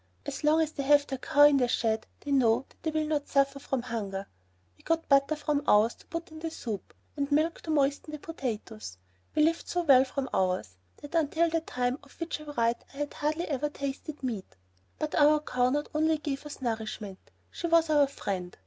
As long as they have their cow in the shed they know that they will not suffer from hunger. We got butter from ours to put in the soup, and milk to moisten the potatoes. We lived so well from ours that until the time of which I write I had hardly ever tasted meat. But our cow not only gave us nourishment, she was our friend.